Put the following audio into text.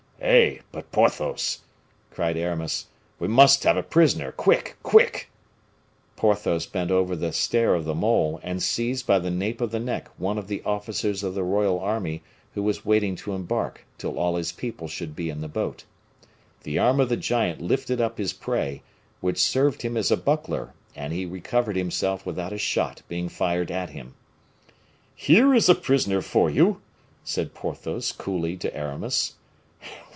"Eh! but Porthos," cried Aramis, "we must have a prisoner, quick! quick!" Porthos bent over the stair of the mole, and seized by the nape of the neck one of the officers of the royal army who was waiting to embark till all his people should be in the boat. The arm of the giant lifted up his prey, which served him as a buckler, and he recovered himself without a shot being fired at him. "Here is a prisoner for you," said Porthos coolly to Aramis.